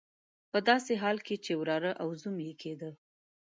په داسې حال کې چې وراره او زوم یې کېدی.